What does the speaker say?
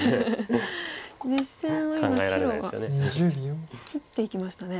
実戦は今白が切っていきましたね。